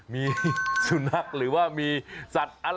มีสุนัทหรือว่ามีสัตว์อะไรบางอย่าง